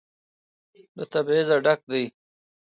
له تبعيضه ډک دى.